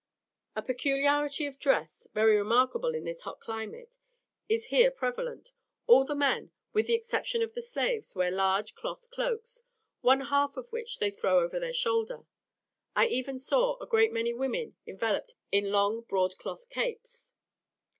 A peculiarity of dress, very remarkable in this hot climate, is here prevalent: all the men, with the exception of the slaves, wear large cloth cloaks, one half of which they throw over their shoulder; I even saw a great many women enveloped in long, broad cloth capes.